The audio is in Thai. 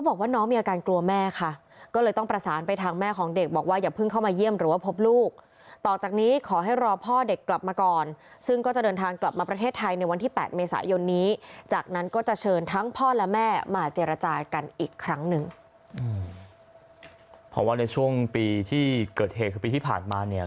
พอว่าในช่วงปีที่เกิดเหตุคือปีที่ผ่านมาเนี่ย